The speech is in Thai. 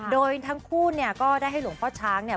โดยทั้งคู่เนี่ยก็ได้ให้หลวงพ่อช้างเนี่ย